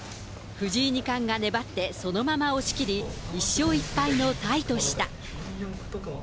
藤井二冠が粘って、そのまま押し切り、１勝１敗のタイとした。